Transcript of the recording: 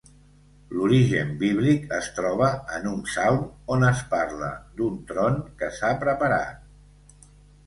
L'origen bíblic es troba en un psalm on es parla d'un tron que s'ha preparat.